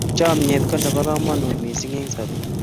chamiet ko nebo kamangut missing eng sabet